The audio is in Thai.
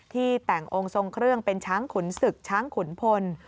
แต่งองค์ทรงเครื่องเป็นช้างขุนศึกช้างขุนพล